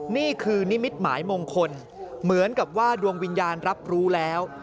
นี่คือนิมิตหมายมงคลเหมือนกับว่าดวงวิญญาณรับรู้แล้ว